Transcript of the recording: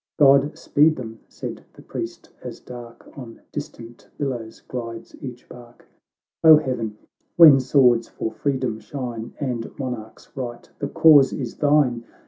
—" God speed them !" said the Priest, as dark On distant billows glides each bark ;" O Heaven ! when swords for freedom shine, And monarch's right, the cause is thine